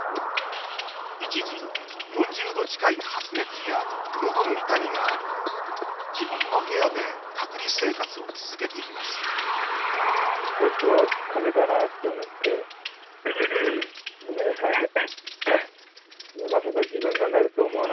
一時、４０度近い発熱やのどの痛みがあり自分の部屋で隔離生活を続けていますごめんなさい。